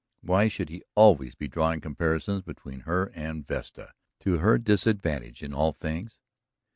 Why should he always be drawing comparisons between her and Vesta, to her disadvantage in all things?